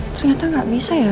ternyata gak bisa ya